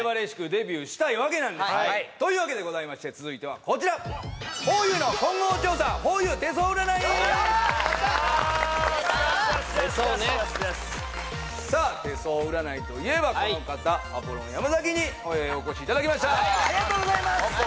デビューしたいわけなんですというわけでございまして続いてはこちらふぉゆのアポロン山崎にお越しいただきましたありがとうございます